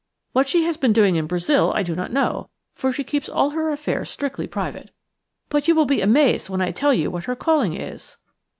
What she has been doing in Brazil I do not know, for she keeps all her affairs strictly private. But you will be amazed when I tell you what her calling is."